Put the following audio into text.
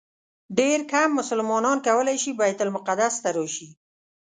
ډېر کم مسلمانان کولی شي بیت المقدس ته راشي.